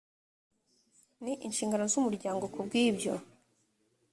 n inshinganzo z umuryango ku bw ibyo